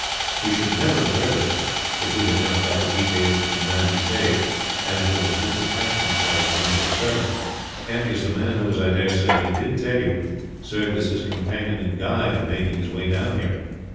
We should never have heard of it, if we had not got the details from the man he saved, and who has since attached himself to him as a servant; and is the man who, as I daresay he did tell you, served as his companion and guide in making his way down here.